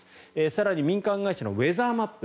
更に民間会社のウェザーマップ